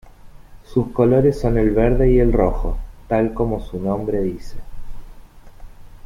Sus colores son el verde y el rojo, tal cual como su nombre dice.